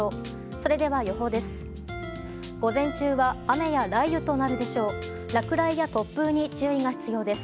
それでは予報です。